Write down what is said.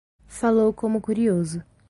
Falou como curioso.